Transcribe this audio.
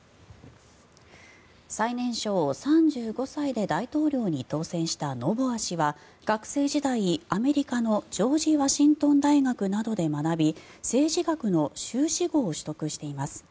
最年少、３５歳で大統領に当選したノボア氏は学生時代、アメリカのジョージ・ワシントン大学などで学び政治学の修士号を取得しています。